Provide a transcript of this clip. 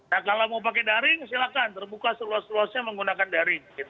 nah kalau mau pakai daring silahkan terbuka seluas luasnya menggunakan daring